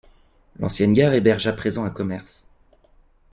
L'ancienne gare héberge à présent un commerce.